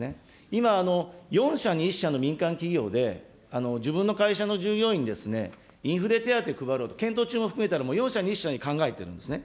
今、４社に１社の民間企業で、自分の会社の従業員ですね、インフレ手当配ろうと、検討中も含めたら、４社に１社が考えてるんですね。